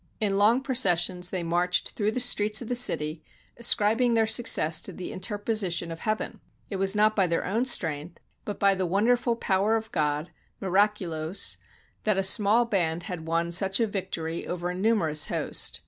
In long processions they marched through the streets of the city, ascribing their success to the interposition of Heaven. It was not by their own strength, but by the wonderful power of God (miracu lose) , that a small band had won such a victory over a numerous host.